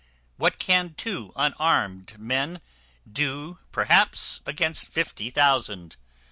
What can two unarmed men do perhaps against fifty thousand?